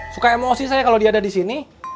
suka emosi saya kalo dia ada disini